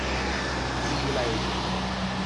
智利